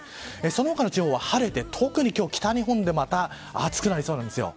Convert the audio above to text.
その他の地方は晴れて特に北日本で暑くなりそうなんですよ。